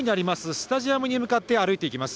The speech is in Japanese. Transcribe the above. スタジアムに向かって歩いていきます。